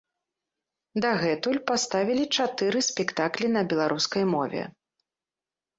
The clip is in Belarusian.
Дагэтуль паставілі чатыры спектаклі на беларускай мове.